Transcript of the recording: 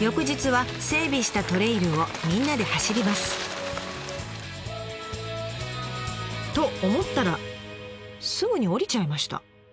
翌日は整備したトレイルをみんなで走ります！と思ったらすぐに降りちゃいました。